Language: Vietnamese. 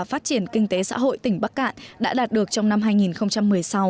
phát triển kinh tế xã hội tỉnh bắc cạn đã đạt được trong năm hai nghìn một mươi sáu